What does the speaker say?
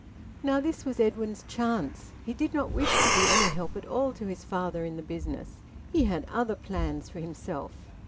Now this was Edwin's chance. He did not wish to be any help at all to his father in the business. He had other plans for himself.